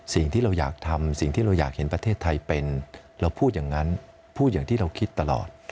สิ่งที่เราอยากทำสิ่งที่เราอยากเห็นประเทศไทยเป็นเราพูดอย่างนั้นพูดอย่างที่เราคิดตลอด